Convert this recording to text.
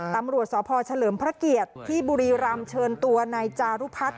ตำรวจสพเฉลิมพระเกียรติที่บุรีรำเชิญตัวนายจารุพัฒน์